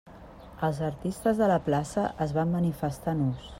Els artistes de la plaça es van manifestar nus.